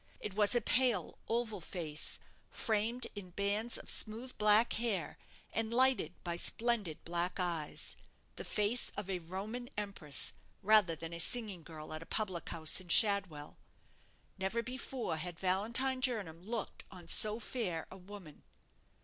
It was a pale, oval face, framed in bands of smooth black hair, and lighted by splendid black eyes; the face of a Roman empress rather than a singing girl at a public house in Shadwell. Never before had Valentine Jernam looked on so fair a woman.